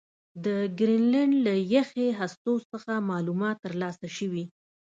د ګرینلنډ له یخي هستو څخه معلومات ترلاسه شوي